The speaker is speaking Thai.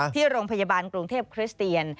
ที่โรงพยาบาลกรุงเทพคริสเตียน